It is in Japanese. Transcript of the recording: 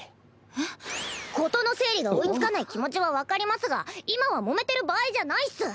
えっ？事の整理が追いつかない気持ちは分かりますが今はもめてる場合じゃないっス。